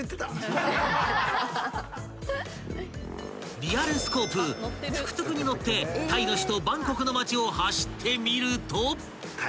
［リアルスコープトゥクトゥクに乗ってタイの首都バンコクの街を走ってみると］